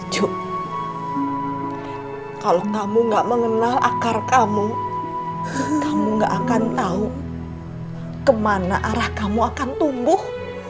juk kalau kamu gak mengenal akar kamu kamu gak akan tahu kemana arah kamu akan tumbuh